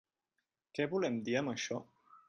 Què volem dir amb això?